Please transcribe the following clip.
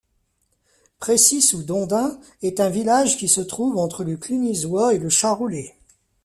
Pressy-sous-Dondin est un village qui se trouve entre le Clunysois et le Charolais.